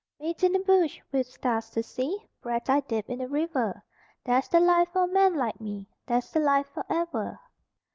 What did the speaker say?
Bed in the bush with stars to see, Bread I dip in the river There's the life for a man like me, There's the life for ever.